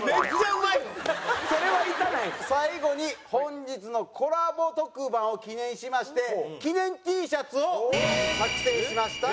最後に本日のコラボ特番を記念しまして記念Ｔシャツを作成しました。